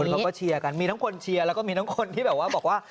เขาก็เชียร์กันมีทั้งคนเชียร์แล้วก็มีทั้งคนที่แบบว่าบอกว่า